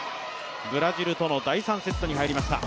ブラジルとの第３セットに入りました。